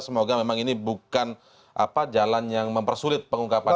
semoga memang ini bukan jalan yang mempersulit pengungkapan